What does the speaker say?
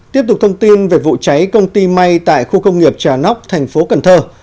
tiếp tục thông tin về vụ cháy công ty may tại khu công nghiệp trà nóc thành phố cần thơ